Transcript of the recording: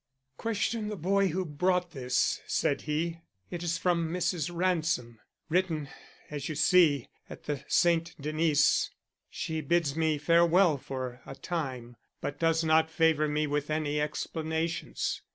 "Question the boy who brought this," said he. "It is from Mrs. Ransom; written, as you see, at the St. Denis. She bids me farewell for a time, but does not favor me with any explanations.